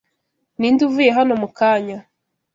Ni nde uvuye hano mukanya